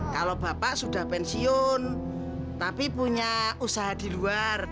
kalau bapak sudah pensiun tapi punya usaha di luar